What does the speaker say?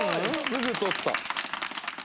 すぐ取った。